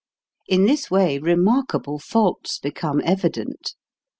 In this way remarkable faults become evi dent